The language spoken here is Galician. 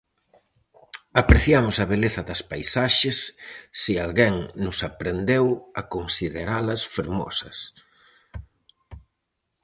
Apreciamos a beleza das paisaxes se alguén nos aprendeu a consideralas fermosas.